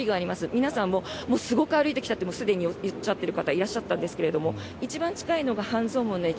皆さん、すごく歩いてきたとすでにおっしゃってる方いらっしゃったんですが一番近いのが半蔵門の駅